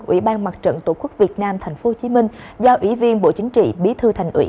ủy ban mặt trận tổ quốc việt nam tp hcm do ủy viên bộ chính trị bí thư thành ủy